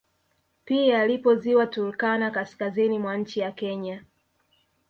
Pia lipo ziwa Turkana kaskazini mwa nchi ya Kenya